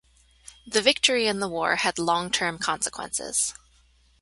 The victory in the war had long term consequences.